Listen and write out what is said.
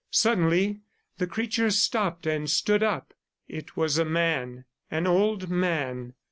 Suddenly the creature stopped and stood up. It was a man, an old man.